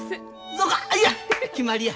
そうかいや決まりや。